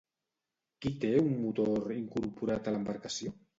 Qui té un motor incorporat a l'embarcació?